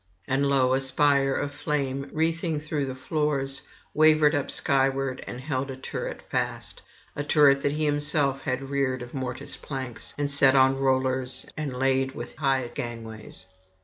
And lo! a spire of flame wreathing through the floors wavered up skyward and held a turret fast, a turret that he himself had reared of mortised planks and set on rollers and laid with high gangways.